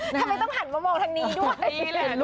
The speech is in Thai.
ทำไมต้องหันมามองทางนี้ด้วย